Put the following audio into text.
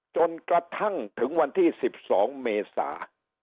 จนกระทั่งถึงวันที่๑๒เมษา